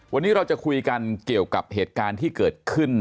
วันนี้เราจะคุยกันเกี่ยวกับเหตุการณ์ที่เกิดขึ้น